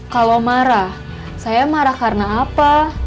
kalau marah saya marah karena apa